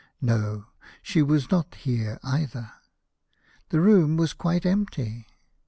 No! She was not here either. The room was quite empty.